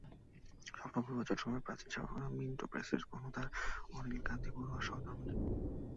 স্বপ্না বড়ুয়া চট্টগ্রামের প্রাচীন ছাপাখানা মিন্টো প্রেসের কর্ণধার অনিল কান্তি বড়ুয়ার সহধর্মিণী।